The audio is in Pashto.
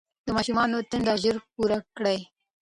د ماشوم د تنده ژر پوره کړئ.